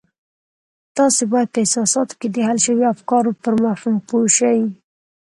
تاسې بايد په احساساتو کې د حل شويو افکارو پر مفهوم پوه شئ.